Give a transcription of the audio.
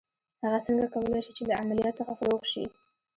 هغه څنګه کولای شي چې له عمليات څخه روغ شي.